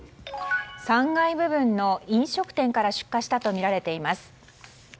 ３階部分の飲食店から出火したとみられています。